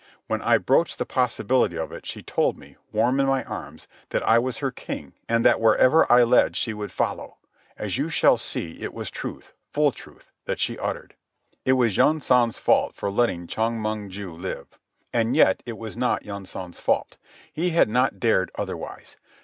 When I broached the possibility of it she told me, warm in my arms, that I was her king and that wherever I led she would follow. As you shall see it was truth, full truth, that she uttered. It was Yunsan's fault for letting Chong Mong ju live. And yet it was not Yunsan's fault. He had not dared otherwise.